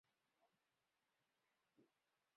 之后甚至将商那和修改成是末田底迦弟子。